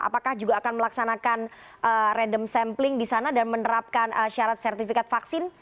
apakah juga akan melaksanakan random sampling di sana dan menerapkan syarat sertifikat vaksin